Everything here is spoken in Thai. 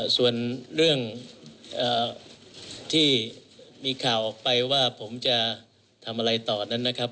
ส่วนเรื่องที่มีข่าวออกไปว่าผมจะทำอะไรต่อนั้นนะครับ